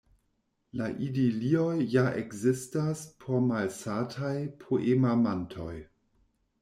La idilioj ja ekzistas por malsataj poemamantoj.